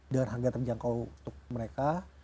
dengan harga terjangkau untuk mereka